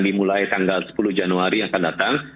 dimulai tanggal sepuluh januari yang akan datang